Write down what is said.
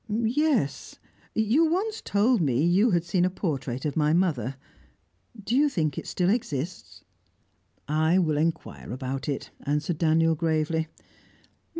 "Yes. You once told me that you had seen a portrait of my mother. Do you think it still exists?" "I will inquire about it," answered Daniel gravely.